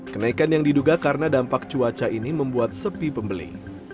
kenaikan yang diduga karena dampak cuaca ini membuat sepi pembeli